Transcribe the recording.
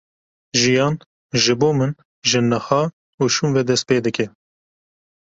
Jiyan ji bo min ji niha û şûn ve dest pê dike.